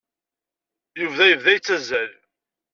Yuba yebda yettazzal.